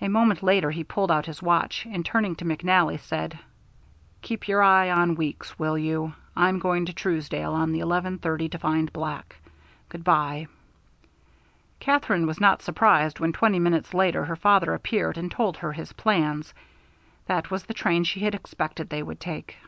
A moment later he pulled out his watch, and turning to McNally said: "Keep your eye on Weeks, will you? I'm going to Truesdale on the eleven thirty to find Black. Good by." Katherine was not surprised when twenty minutes later her father appeared and told her his plans. That was the train she had expected they would take.